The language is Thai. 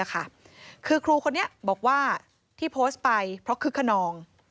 คือครูคนนี้บอกว่าที่โพสต์ไปเพราะคึกขนอง